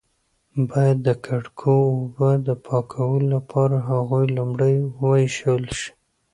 باید د ککړو اوبو د پاکولو لپاره هغوی لومړی وایشول شي.